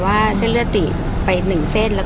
ภาษาสนิทยาลัยสุดท้าย